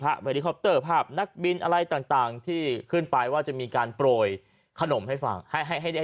เผ่ารีคอปเตอร์ภาพนักบินอะไรต่างต่างที่ขึ้นไปว่าจะมีการโปรยคโนมให้หรือกรีบ